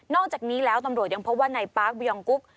อกจากนี้แล้วตำรวจยังพบว่านายปาร์คบยองกุ๊ก